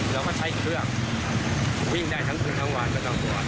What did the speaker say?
เราก็ใช้เครื่องวิ่งได้ทั้งคืนทั้งวันและทั้งวัน